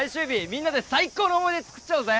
みんなで最高の思い出作っちゃおうぜ！